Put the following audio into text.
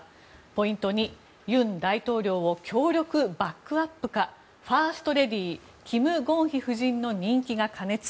ポイント２尹大統領を強力バックアップかファーストレディーキム・ゴンヒ夫人の人気が過熱。